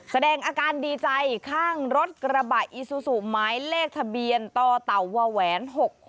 แสดงอาการดีใจข้างรถกระบะอีซูซูหมายเลขทะเบียนต่อเต่าวแหวน๖๖